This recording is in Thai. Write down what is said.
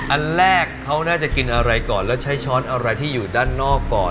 อันแรกเขาน่าจะกินอะไรก่อนแล้วใช้ช้อนอะไรที่อยู่ด้านนอกก่อน